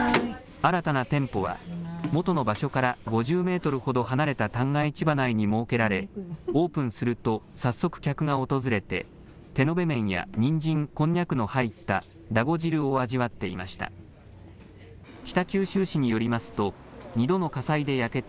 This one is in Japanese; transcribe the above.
新たな店舗は元の場所から５０メートルほど離れた旦過市場内に設けられ、オープンすると早速客が訪れて、手延べ麺やにんじん、こんにゃくの入っただご汁を味わっていました。